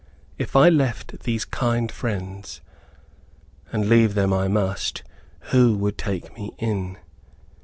If I left these kind friends, and leave them I must, who would take me in?